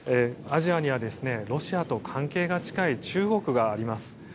アジアにはロシアと関係が近い中国があります。